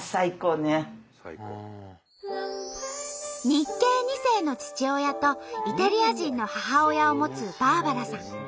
日系２世の父親とイタリア人の母親を持つバーバラさん。